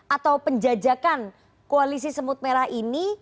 atau penjajakan koalisi semut merah ini